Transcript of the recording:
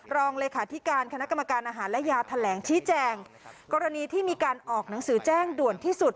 รองเลขาธิการคณะกรรมการอาหารและยาแถลงชี้แจงกรณีที่มีการออกหนังสือแจ้งด่วนที่สุด